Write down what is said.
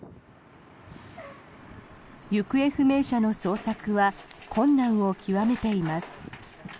行方不明者の捜索は困難を極めています。